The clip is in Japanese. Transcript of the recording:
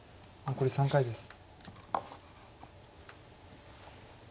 残り３回です。